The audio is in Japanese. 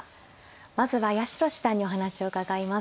まずは八代七段にお話を伺います。